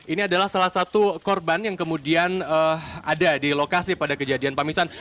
ini adalah salah satu korban yang kemudian ada di lokasi pada kejadian pamisan